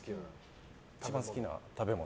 一番好きな食べ物。